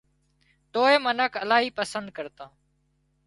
توئي منک الاهي پسند ڪرتان